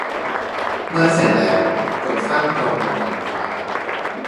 เมื่อเสร็จแล้ว กดสร้างตรงมุมบนขวา